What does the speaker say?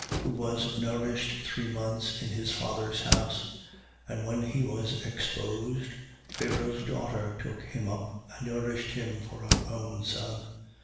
Who was nourished three months in his father's house. 7:21. And when he was exposed, Pharao's daughter took him up and nourished him for her own son.